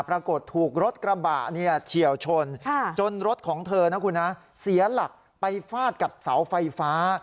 ปรากฏถูกรถกรระบะเฉียวชนจนรถของเธอเสียหลักไปฟาดกับเสาไฟฟ้า